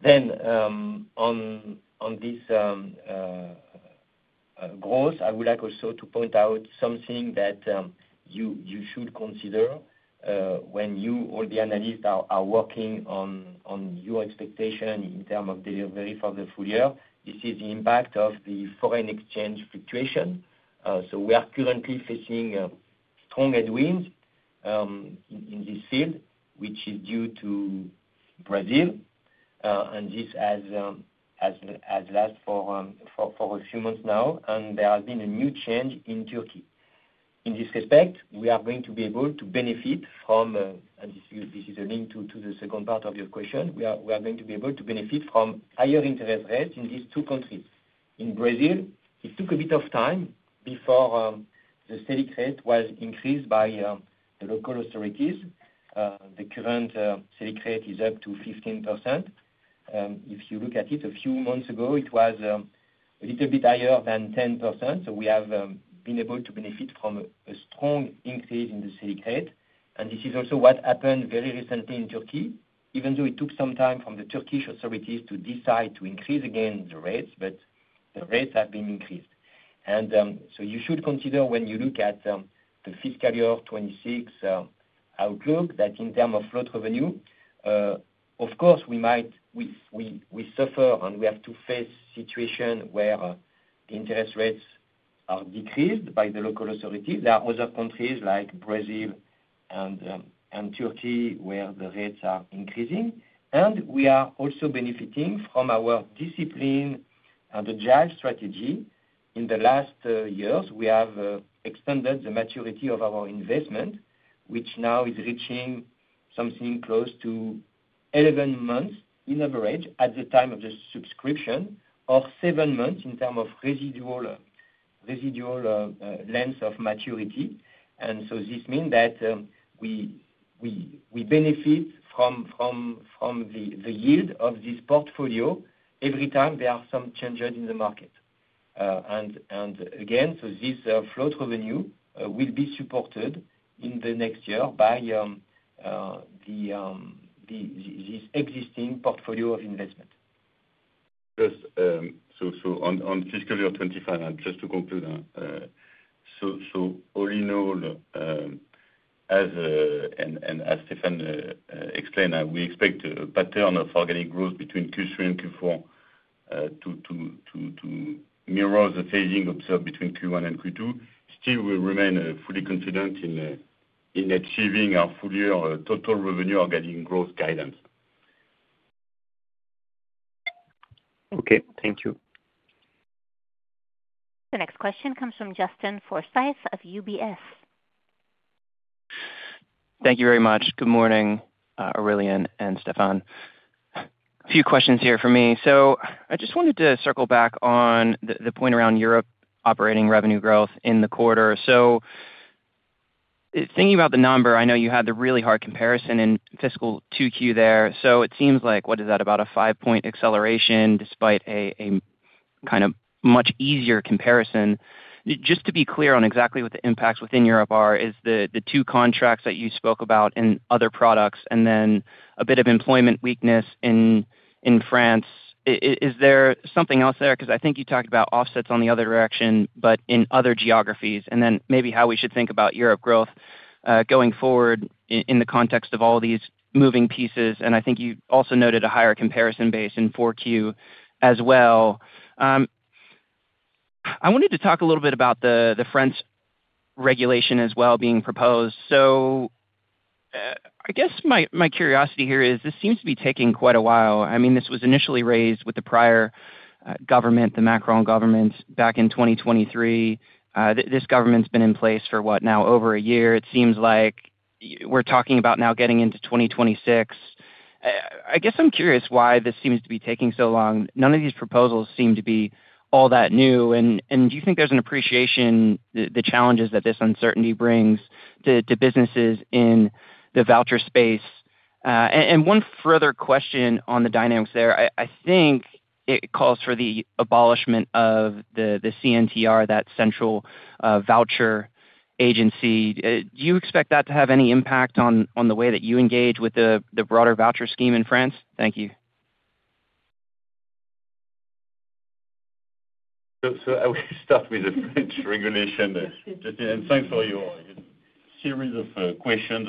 this growth, I would like also to point out something that you should consider when you or the analysts are working on your expectation in terms of delivery for the full year. This is the impact of the foreign exchange fluctuation. We are currently facing strong headwinds in this field, which is due to Brazil. This has lasted for a few months now, and there has been a new change in Türkiye. In this respect, we are going to be able to benefit from, and this is a link to the second part of your question, we are going to be able to benefit from higher interest rates in these two countries. In Brazil, it took a bit of time before the selling rate was increased by the local authorities. The current selling rate is up to 15%. If you look at it, a few months ago, it was a little bit higher than 10%. We have been able to benefit from a strong increase in the selling rate. This is also what happened very recently in Türkiye, even though it took some time for the Turkish authorities to decide to increase again the rates, but the rates have been increased. You should consider when you look at the fiscal year 2026 outlook that in terms of float revenue, of course, we suffer and we have to face situations where the interest rates are decreased by the local authorities. There are other countries like Brazil and Türkiye where the rates are increasing. We are also benefiting from our discipline and the drive strategy. In the last years, we have extended the maturity of our investment, which now is reaching something close to 11 months in average at the time of the subscription, or 7 months in terms of residual length of maturity. This means that we benefit from the yield of this portfolio every time there are some changes in the market. Again, this float revenue will be supported in the next year by this existing portfolio of investment. Just on fiscal year 2025, just to conclude, all in all, as Stéphane explained, we expect a pattern of organic growth between Q3 and Q4 to mirror the phasing observed between Q1 and Q2. Still, we remain fully confident in achieving our full year total revenue organic growth guidance. Okay, thank you. The next question comes from Justin Forsythe of UBS. Thank you very much. Good morning, Aurélien and Stéphane. A few questions here for me. I just wanted to circle back on the point around Europe operating revenue growth in the quarter. Thinking about the number, I know you had the really hard comparison in fiscal 2Q there. It seems like, what is that, about a five-point acceleration despite a kind of much easier comparison. Just to be clear on exactly what the impacts within Europe are, is the two contracts that you spoke about in other products and then a bit of employment weakness in France. Is there something else there? I think you talked about offsets on the other direction, but in other geographies. Maybe how we should think about Europe growth going forward in the context of all these moving pieces. I think you also noted a higher comparison base in Q4 as well. I wanted to talk a little bit about the France regulation as well being proposed. I guess my curiosity here is this seems to be taking quite a while. I mean, this was initially raised with the prior government, the Macron government, back in 2023. This government's been in place for, what, now over a year, it seems like. We're talking about now getting into 2026. I guess I'm curious why this seems to be taking so long. None of these proposals seem to be all that new. Do you think there's an appreciation of the challenges that this uncertainty brings to businesses in the voucher space? One further question on the dynamics there. I think it calls for the abolishment of the CNTR, that central voucher agency. Do you expect that to have any impact on the way that you engage with the broader voucher scheme in France? Thank you. I will start with the French regulation. Thanks for your series of questions.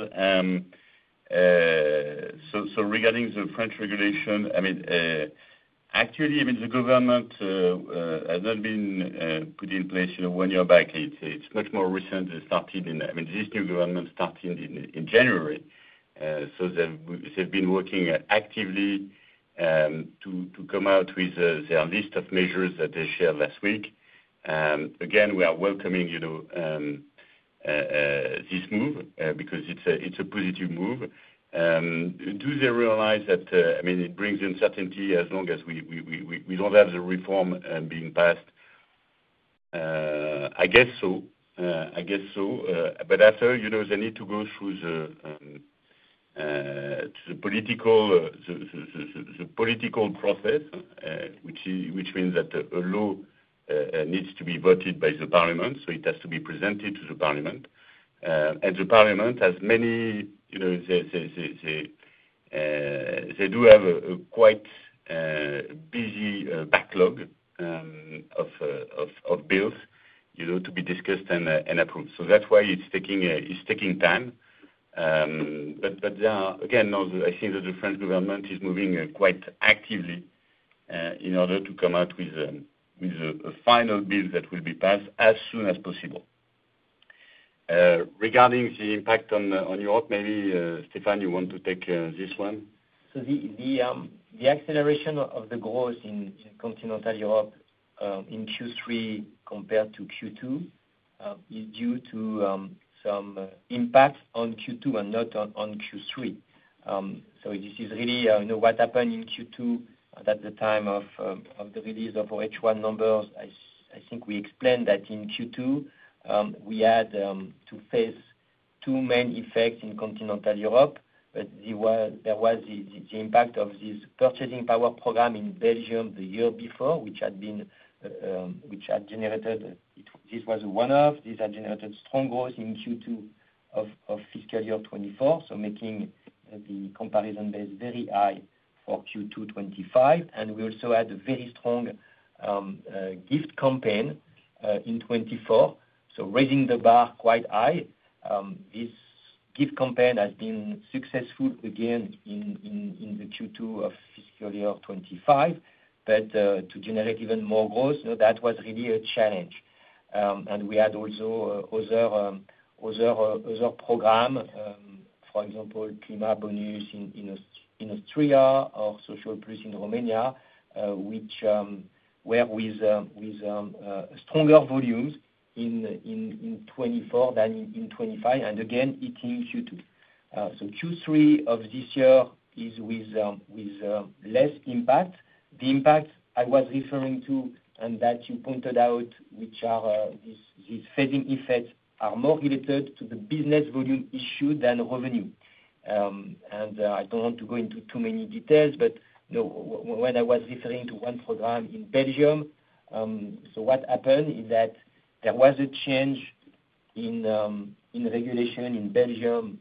Regarding the French regulation, I mean, actually, the government has not been put in place one year back. It's much more recent. This new government started in January. They've been working actively to come out with their list of measures that they shared last week. Again, we are welcoming this move because it's a positive move. Do they realize that it brings uncertainty as long as we don't have the reform being passed? I guess so. I guess so. After, they need to go through the political process, which means that a law needs to be voted by the Parliament. It has to be presented to the Parliament. The Parliament has many, they do have a quite busy backlog of bills to be discussed and approved. That is why it is taking time. Again, I think that the French government is moving quite actively in order to come out with a final bill that will be passed as soon as possible. Regarding the impact on Europe, maybe, Stéphane, you want to take this one? The acceleration of the growth in continental Europe in Q3 compared to Q2 is due to some impact on Q2 and not on Q3. This is really what happened in Q2 at the time of the release of H1 numbers. I think we explained that in Q2, we had to face two main effects in continental Europe. There was the impact of this purchasing power program in Belgium the year before, which had generated—this was a one-off. These had generated strong growth in Q2 of fiscal year 2024, making the comparison base very high for Q2 2025. We also had a very strong gift campaign in 2024, raising the bar quite high. This gift campaign has been successful again in the Q2 of fiscal year 2025. To generate even more growth, that was really a challenge. We had also other programs, for example, Klimabonus in Austria or Social Plus in Romania, which were with stronger volumes in 2024 than in 2025. Again, it's in Q2. Q3 of this year is with less impact. The impact I was referring to and that you pointed out, which are these phasing effects, are more related to the business volume issued than revenue. I do not want to go into too many details, but when I was referring to one program in Belgium, what happened is that there was a change in regulation in Belgium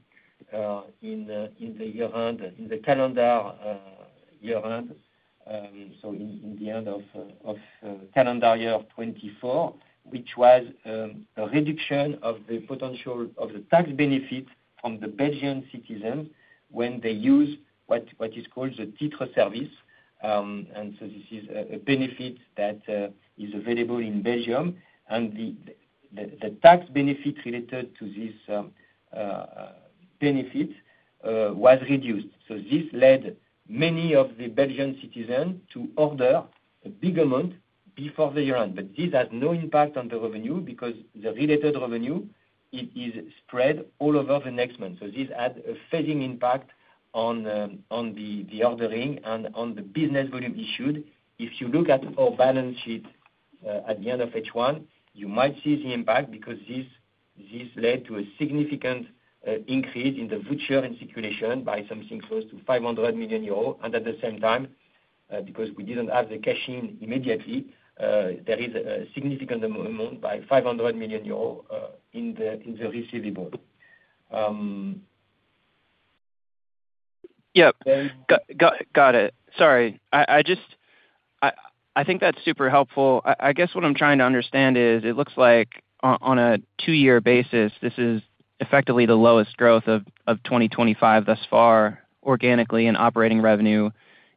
in the calendar year, in the end of calendar year 2024, which was a reduction of the potential of the tax benefit from the Belgian citizens when they use what is called the titre service. This is a benefit that is available in Belgium, and the tax benefit related to this benefit was reduced. This led many of the Belgian citizens to order a bigger amount before the year. This has no impact on the revenue because the related revenue, it is spread all over the next month. This had a phasing impact on the ordering and on the business volume issued. If you look at our balance sheet at the end of H1, you might see the impact because this led to a significant increase in the voucher in circulation by something close to 500 million euros. At the same time, because we did not have the cashing immediately, there is a significant amount by 500 million euros in the receivable. Yep. Got it. Sorry. I think that is super helpful. I guess what I am trying to understand is it looks like on a two-year basis, this is effectively the lowest growth of 2025 thus far, organically in operating revenue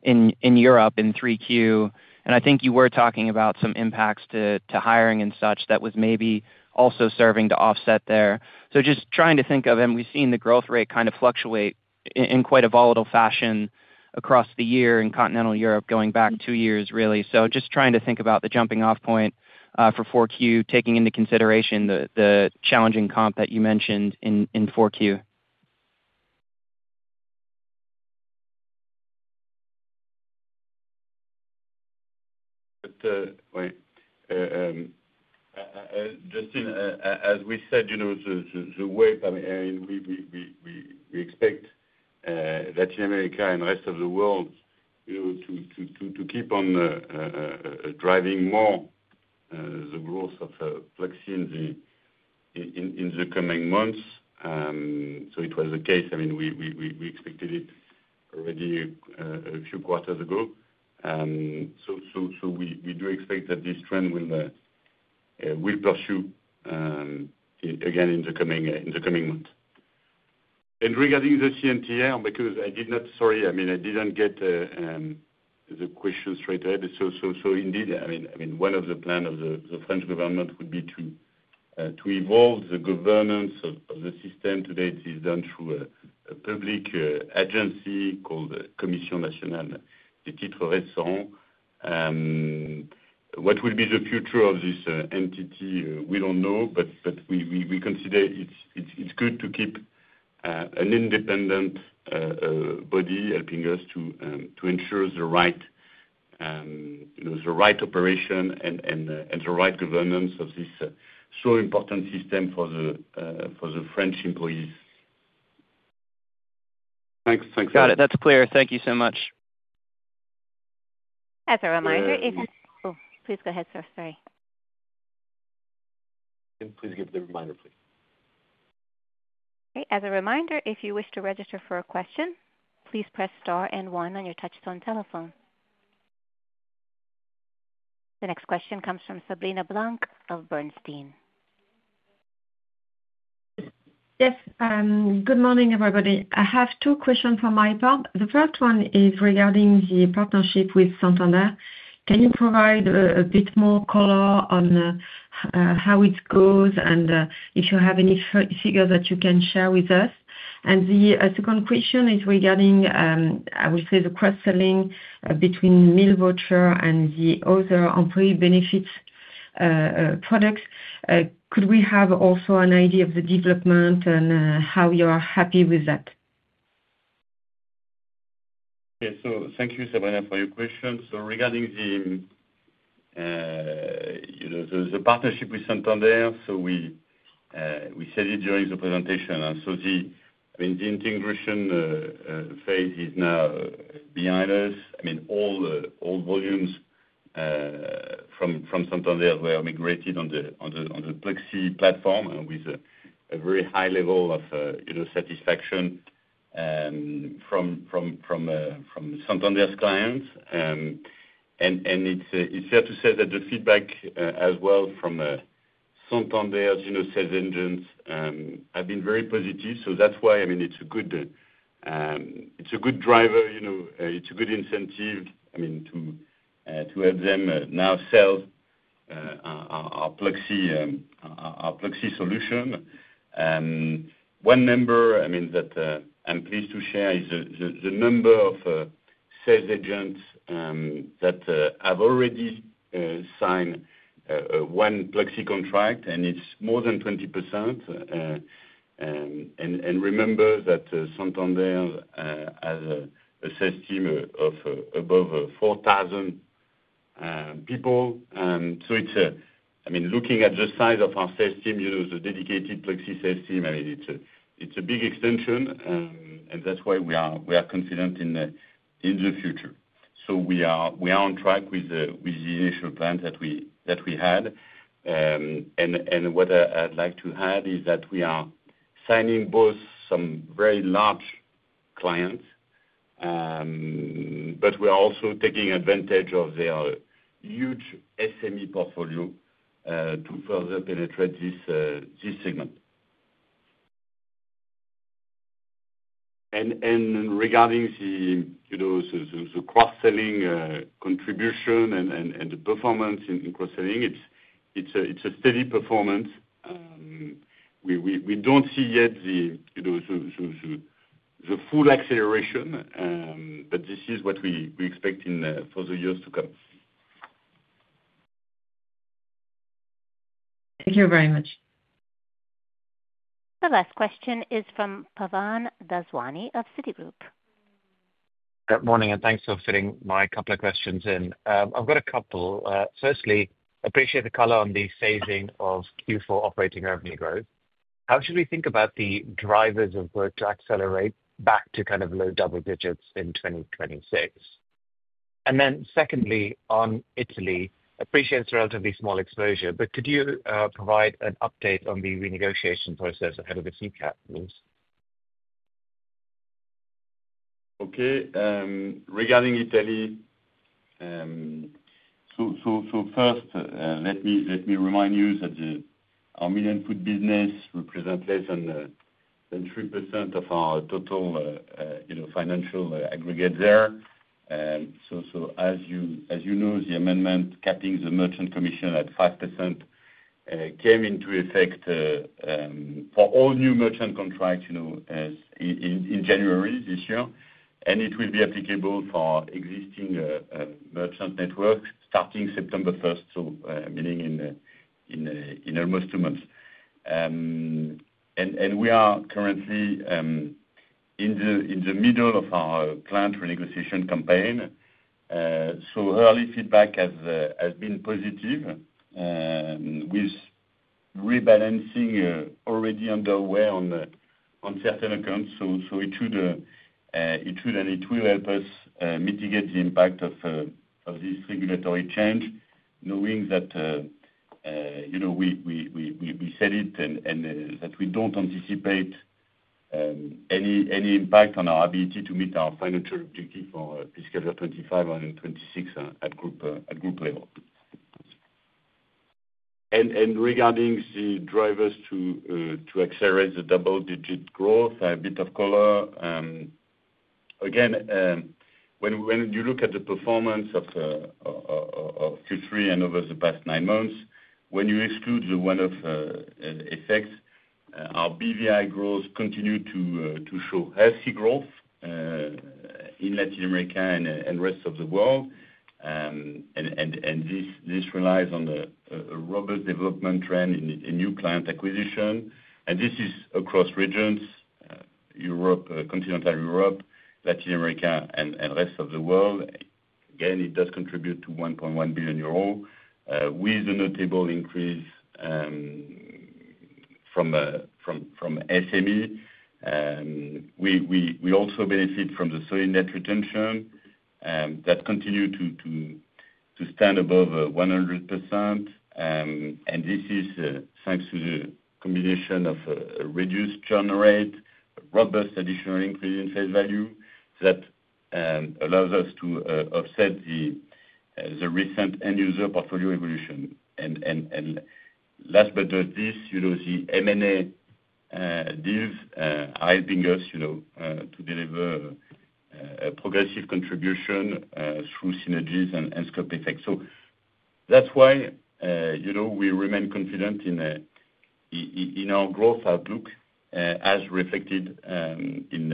in Europe in 3Q. I think you were talking about some impacts to hiring and such that was maybe also serving to offset there. Just trying to think of, and we have seen the growth rate kind of fluctuate in quite a volatile fashion across the year in continental Europe going back two years, really. Just trying to think about the jumping-off point for 4Q, taking into consideration the challenging comp that you mentioned in 4Q. Justin, as we said, the way we expect Latin America and the rest of the world to keep on driving more the growth of Pluxee in the coming months. It was the case. I mean, we expected it already a few quarters ago. We do expect that this trend will pursue again in the coming months. Regarding the CNTR, because I did not, sorry, I mean, I did not get the question straight ahead. So indeed, I mean, one of the plans of the French government would be to evolve the governance of the system. Today, it is done through a public agency called the Commission Nationale. What will be the future of this entity, we don't know, but we consider it's good to keep an independent body helping us to ensure the right operation and the right governance of this so important system for the French employees. Thanks. Thanks. Got it. That's clear. Thank you so much. As a reminder, if you please go ahead, sir. Sorry. Please give the reminder, please. Okay. As a reminder, if you wish to register for a question, please press star and one on your touchstone telephone. The next question comes from Sabrina Blanc of Bernstein. Yes. Good morning, everybody. I have two questions from my part. The first one is regarding the partnership with Santander. Can you provide a bit more color on how it goes and if you have any figures that you can share with us? The second question is regarding, I would say, the cross-selling between meal voucher and the other employee benefits products. Could we have also an idea of the development and how you are happy with that? Yes. Thank you, Sabrina, for your question. Regarding the partnership with Santander, we said it during the presentation. The integration phase is now behind us. I mean, all volumes from Santander were migrated on the Pluxee platform with a very high level of satisfaction from Santander's clients. It is fair to say that the feedback as well from Santander's sales engines has been very positive. That is why, I mean, it is a good driver. It's a good incentive, I mean, to have them now sell our Pluxee solution. One number, I mean, that I'm pleased to share is the number of sales agents that have already signed one Pluxee contract, and it's more than 20%. And remember that Santander has a sales team of above 4,000 people. It's, I mean, looking at the size of our sales team, the dedicated Pluxee sales team, I mean, it's a big extension. That's why we are confident in the future. We are on track with the initial plan that we had. What I'd like to add is that we are signing both some very large clients, but we are also taking advantage of their huge SME portfolio to further penetrate this segment. Regarding the cross-selling contribution and the performance in cross-selling, it's a steady performance. We do not see yet the full acceleration, but this is what we expect for the years to come. Thank you very much. The last question is from Pavan Daswani of Citigroup. Good morning, and thanks for filling my couple of questions in. I have got a couple. Firstly, I appreciate the color on the phasing of Q4 operating revenue growth. How should we think about the drivers of work to accelerate back to kind of low double digits in 2026? And then secondly, on Italy, I appreciate it is a relatively small exposure, but could you provide an update on the renegotiation process ahead of the CCAP, please? Okay. Regarding Italy, so first, let me remind you that our million foot business represents less than 3% of our total financial aggregate there. As you know, the amendment capping the merchant commission at 5% came into effect for all new merchant contracts in January this year. It will be applicable for existing merchant networks starting September 1, meaning in almost two months. We are currently in the middle of our planned renegotiation campaign. Early feedback has been positive. Rebalancing is already underway on certain accounts. It should and it will help us mitigate the impact of this regulatory change, knowing that we said it and that we do not anticipate any impact on our ability to meet our financial objective for fiscal year 2025 and 2026 at group level. Regarding the drivers to accelerate the double-digit growth, a bit of color. Again, when you look at the performance of Q3 and over the past nine months, when you exclude the one-off effects, our BVI growth continued to show healthy growth in Latin America and rest of the world. This relies on a robust development trend in new client acquisition. This is across regions, Continental Europe, Latin America, and rest of the world. It does contribute to 1.1 billion euro, with a notable increase from SME. We also benefit from the solid net retention that continued to stand above 100%. This is thanks to the combination of a reduced churn rate, robust additional increase in face value that allows us to offset the recent end-user portfolio evolution. Last but not least, the M&A deals are helping us to deliver a progressive contribution through synergies and scope effects. That's why we remain confident in our growth outlook, as reflected in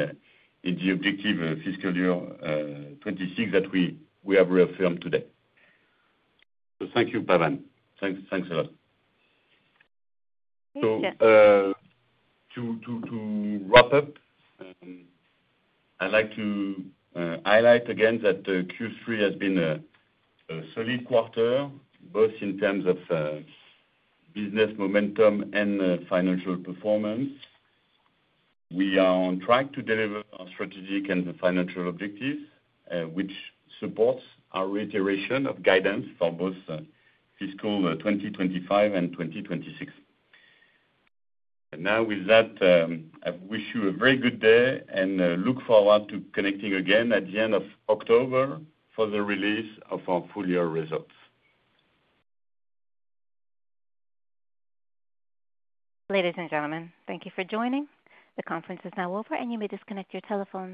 the objective fiscal year 2026 that we have reaffirmed today. Thank you, Pavan. Thanks a lot. To wrap up, I'd like to highlight again that Q3 has been a solid quarter, both in terms of business momentum and financial performance. We are on track to deliver our strategic and financial objectives, which supports our reiteration of guidance for both fiscal 2025 and 2026. Now, with that, I wish you a very good day and look forward to connecting again at the end of October for the release of our full-year results. Ladies and gentlemen, thank you for joining. The conference is now over, and you may disconnect your telephones.